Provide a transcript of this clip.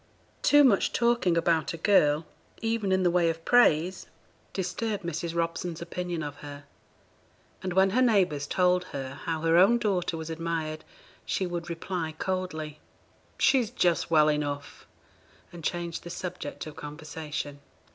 Too much talking about a girl, even in the way of praise, disturbed Mrs. Robson's opinion of her; and when her neighbours told her how her own daughter was admired, she would reply coldly, 'She's just well enough,' and change the subject of conversation.